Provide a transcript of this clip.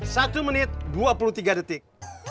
satu menit dua puluh tiga detik